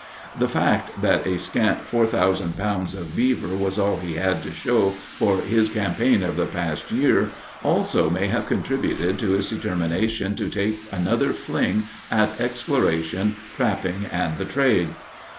The fact that a scant 4,000 pounds of beaver was all he had to show for his campaign of the past year also may have contributed to his determination to take another fling at exploration, trapping, and the trade.